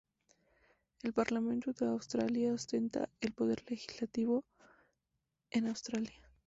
El Parlamento de Australia ostenta el poder legislativo en Australia.